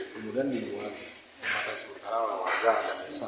kemudian di luar jembatan seputar warga dan desa